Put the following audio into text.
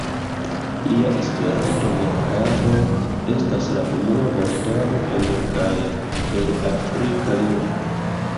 Lia Esperanto-vortaro estas la unua vortaro en kaj el afrika lingvo.